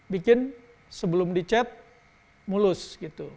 bikin sebelum dicet mulus gitu